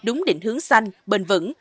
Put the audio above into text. đúng định hướng xanh bền vững